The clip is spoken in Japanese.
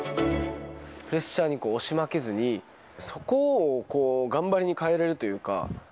プレッシャーに押し負けずに、そこを頑張りに変えれるというか。